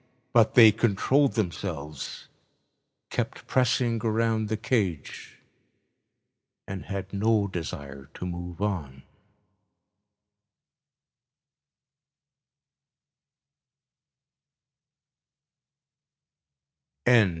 But they controlled themselves, kept pressing around the cage, and had no desire to move on.